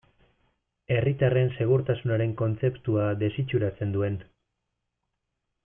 Herritarren segurtasunaren kontzeptua desitxuratzen duen.